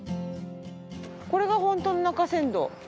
これが本当の中山道。